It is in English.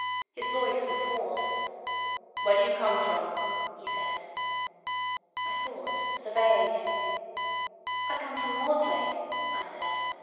His voice was hoarse. "Where do you come from?" he said. I thought, surveying him. "I come from Mortlake," I said.